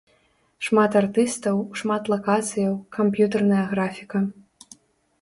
Шмат артыстаў, шмат лакацыяў, камп'ютарная графіка.